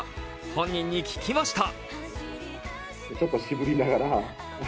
本人に聞きました。